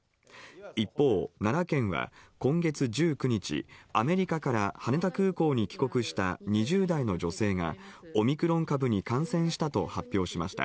一方、奈良県は今月１９日アメリカから羽田空港に帰国した２０代の女性がオミクロン株に感染したと発表しました。